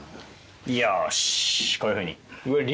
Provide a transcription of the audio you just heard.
よしこういうふうに。